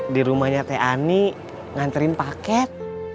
di rumahnya teh ani nganterin paket